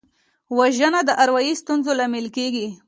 وژنه د اروايي ستونزو لامل کېږي